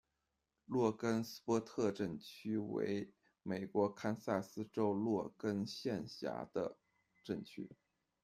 洛根斯波特镇区为美国堪萨斯州洛根县辖下的镇区。